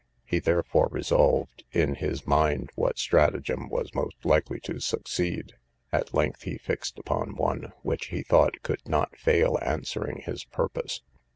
He therefore revolved in his mind what stratagem was most likely to succeed: at length he fixed upon one, which he thought could not fail answering his purpose.